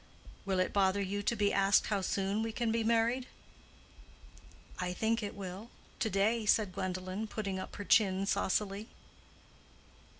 "Will it bother you to be asked how soon we can be married?" "I think it will, to day," said Gwendolen, putting up her chin saucily.